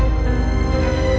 ini kan trendy